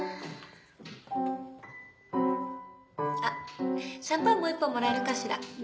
あっシャンパンもう一本もらえるかしら。